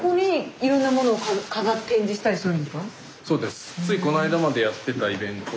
そうです。